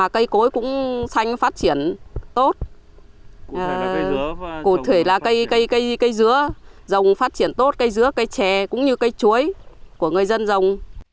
cây cối cũng sinh phát triển tốt cụ thể là cây dứa dòng phát triển tốt cây dứa cây chè cũng như cây chuối của người dân dòng